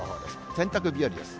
洗濯日和です。